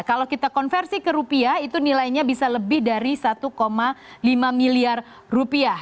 kalau kita konversi ke rupiah itu nilainya bisa lebih dari satu lima miliar rupiah